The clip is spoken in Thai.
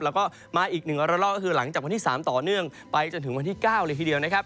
แล้วก็มาอีก๑ระลอกก็คือหลังจากวันที่๓ต่อเนื่องไปจนถึงวันที่๙เลยทีเดียวนะครับ